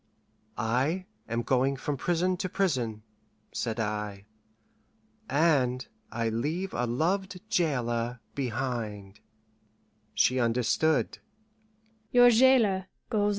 "I am going from prison to prison," said I, "and I leave a loved jailer behind." She understood.